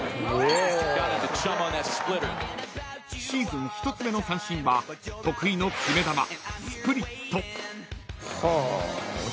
［シーズン１つ目の三振は得意の決め球］